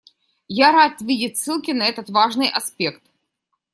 Я рад видеть ссылки на этот важный аспект.